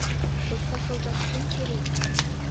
Кочкаш шолташ кон черет?